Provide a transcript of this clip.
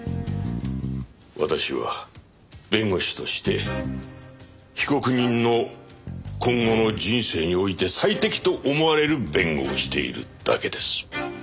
私は弁護士として被告人の今後の人生において最適と思われる弁護をしているだけです。